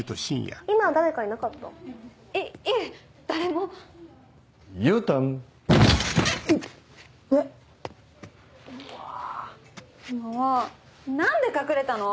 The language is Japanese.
もう何で隠れたの？